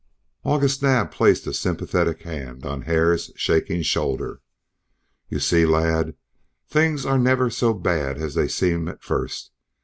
August Naab placed a sympathetic hand on Hare's shaking shoulder. "You see, lad, things are never so bad as they seem at first.